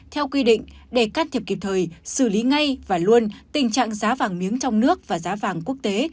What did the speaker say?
theo quy định để can thiệp kịp thời xử lý ngay và luôn tình trạng giá vàng miếng trong nước và giá vàng quốc tế